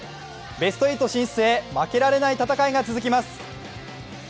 ベスト８進出へ、負けられない戦いが続きます。